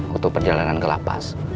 waktu perjalanan ke lapas